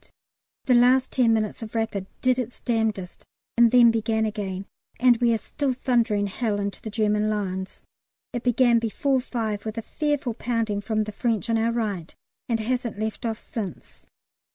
The last ten minutes of "Rapid" did its damnedest and then began again, and we are still thundering hell into the German lines. It began before 5 with a fearful pounding from the French on our right, and hasn't left off since.